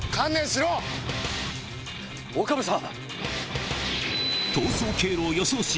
岡部さん！